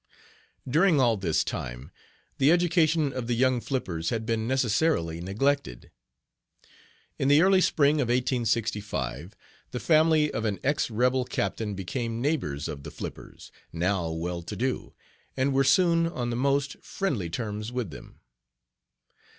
During all this time the education of the young Flippers had been necessarily neglected. In the early spring of 1865, the family of an ex rebel captain became neighbors of the Flippers, now well to do, and were soon on the most, friendly terms with them.